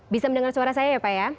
bisa mendengar suara saya ya pak ya